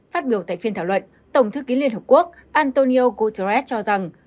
phát biểu tại phiên thảo luận tổng thư ký liên hợp quốc antonio guterres cho rằng